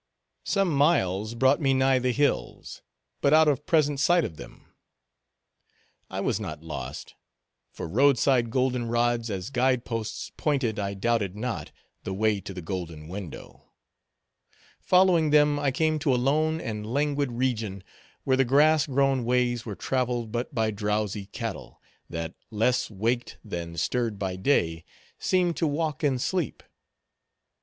Some miles brought me nigh the hills; but out of present sight of them. I was not lost; for road side golden rods, as guide posts, pointed, I doubted not, the way to the golden window. Following them, I came to a lone and languid region, where the grass grown ways were traveled but by drowsy cattle, that, less waked than stirred by day, seemed to walk in sleep.